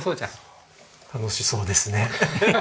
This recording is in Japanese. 楽しそうですね。